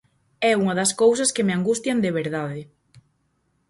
É unha das cousas que me angustian de verdade.